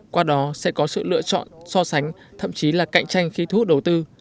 qua đó sẽ có sự lựa chọn so sánh thậm chí là cạnh tranh khi thu hút đầu tư